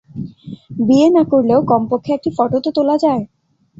বিয়ে না করলেও, কমপক্ষে একটি ফটো তো তোলা যায়।